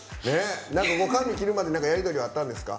髪を切るまでやり取りはあったんですか？